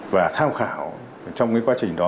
và tham khảo trong quá trình đó